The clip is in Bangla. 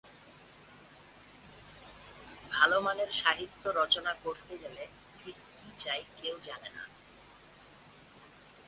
ভালো মানের সাহিত্য রচনা করতে গেলে ঠিক কী চাই কেউ জানে না।